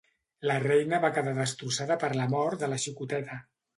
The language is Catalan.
La reina va quedar destrossada per la mort de la xicoteta.